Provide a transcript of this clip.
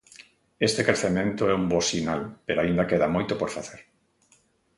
Este crecemento é un bo sinal pero aínda queda moito por facer.